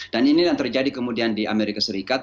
dan inilah yang terjadi kemudian di amerika serikat